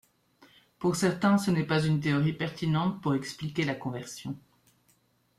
Pour certains, ce n’est pas une théorie pertinente pour expliquer la conversion.